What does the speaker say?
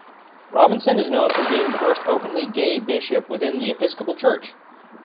Robinson is known for being the first openly gay bishop within the Episcopal Church.